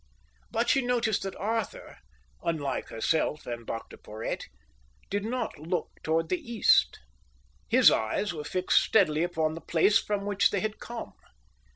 But she noticed that Arthur, unlike herself and Dr Porhoët, did not look toward the east. His eyes were fixed steadily upon the place from which they had come.